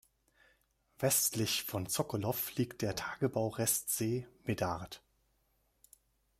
Westlich von Sokolov liegt der Tagebau-Restsee Medard.